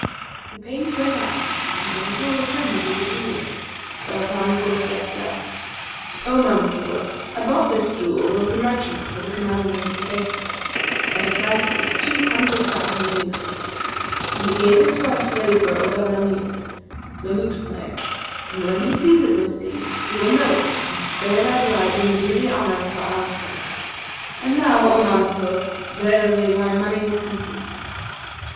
The page went out and presently returned with the jewel, whereupon quoth Yahya, 'O Mansur, I bought this jewel of the merchant for the Commander of the Faithful, at a price of two hundred thousand dinars,[FN#247] and he gave it to our slave girl Dananir, the lute player; and when he sees it with thee, he will know it and spare thy blood and do thee honour for our sake; and now, O Mansur, verily thy money is complete.'